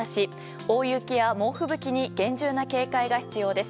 大雪や猛吹雪に厳重な警戒が必要です。